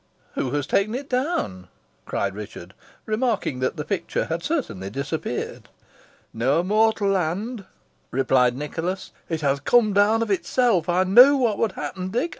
"Who has taken it down?" cried Richard, remarking that the picture had certainly disappeared. "No mortal hand," replied Nicholas. "It has come down of itself. I knew what would happen, Dick.